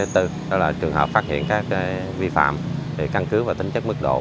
thứ tư là trường hợp phát hiện các vi phạm về căn cước và tính chất mức độ